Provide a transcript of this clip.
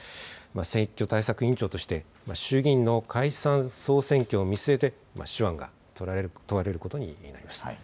選挙対策委員長として、衆議院の解散・総選挙を見据えて、手腕が問われることになります。